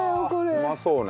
うまそうね。